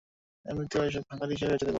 এমনিতেও এসব ভাঙ্গারি হিসাবে বেঁচে দিবো।